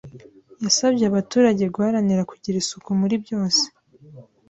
yasabye abaturage guharanira kugira isuku muri byose